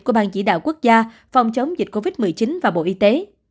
của ban chỉ đạo quốc gia phòng chống dịch covid một mươi chín và bộ y tế